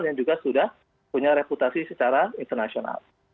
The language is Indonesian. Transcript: yang juga sudah punya reputasi secara internasional